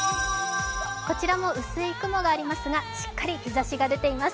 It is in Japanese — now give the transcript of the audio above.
こちらも薄い雲がありますが、しっかり日ざしが出ています。